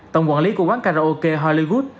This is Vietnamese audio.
tổng quản lý của quán karaoke hollywood